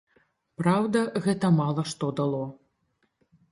Праўда, гэта мала што дало.